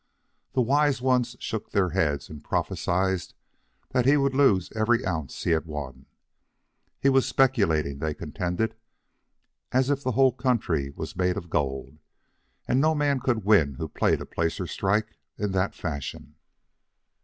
The wise ones shook their heads and prophesied that he would lose every ounce he had won. He was speculating, they contended, as if the whole country was made of gold, and no man could win who played a placer strike in that fashion.